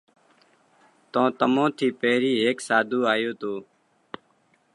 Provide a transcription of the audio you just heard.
تو تمون ٿِي پيرهين ھيڪ ساڌو آيو تو۔